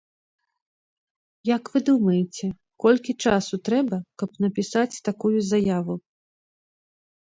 Як вы думаеце, колькі часу трэба, каб напісаць такую заяву?